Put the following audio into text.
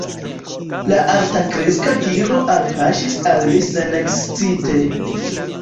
La altakreska viro alpaŝis al li senekscite.